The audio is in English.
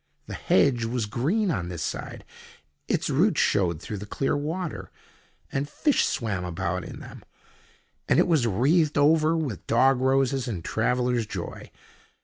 The hedge was green on this side—its roots showed through the clear water, and fish swam about in them—and it was wreathed over with dog roses and Traveller's Joy.